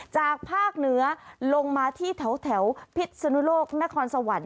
จากภาคเหนือลงมาที่แถวพิษนุโลกนครสวรรค์